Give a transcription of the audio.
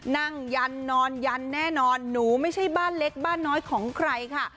ยันนอนยันแน่นอนหนูไม่ใช่บ้านเล็กบ้านน้อยของใครค่ะ